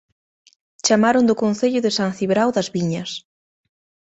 Chamaron do Concello de San Cibrao das Viñas